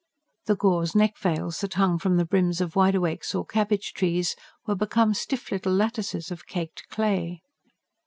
The gauze neck veils that hung from the brims of wide awakes or cabbage trees were become stiff little lattices of caked clay.